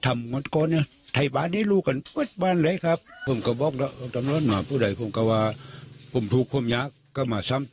มันมีคนก็ดีเหลอนั้นครับ